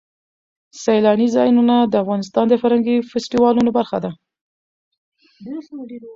سیلانی ځایونه د افغانستان د فرهنګي فستیوالونو برخه ده.